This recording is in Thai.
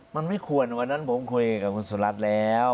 มันไม่ควรวันนั้นผมเข้าไปกับสุรรัตน์แล้ว